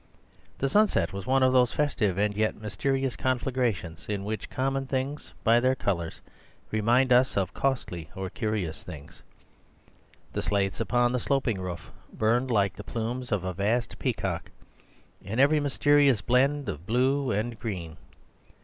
The sunset was one of those festive and yet mysterious conflagrations in which common things by their colours remind us of costly or curious things. The slates upon the sloping roof burned like the plumes of a vast peacock, in every mysterious blend of blue and green.